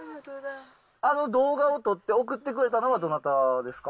あの動画を撮って送ってくれたのは、どなたですか？